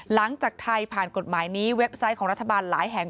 หลังจากไทยผ่านกฎหมายนี้เว็บไซต์ของรัฐบาลหลายแห่ง